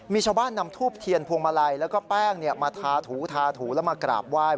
มีชาวบ้านนำทูบเทียนพวงมาลัยแล้วก็แป้งมาทาถูทาถูแล้วมากราบไหว้